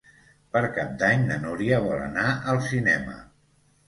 Per Cap d'Any na Núria vol anar al cinema.